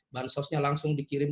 bansosnya langsung dikirim